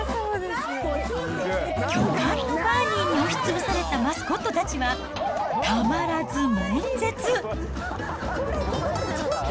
巨漢のバーニーに押しつぶされたマスコットたちは、たまらずもん絶。